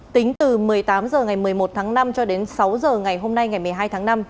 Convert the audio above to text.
tính từ một mươi tám h ngày một mươi một tháng năm cho đến sáu h ngày hôm nay ngày một mươi hai tháng năm